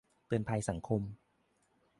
เตือนภัยสังคม